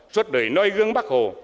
suốt đời nôi gương bắc hồ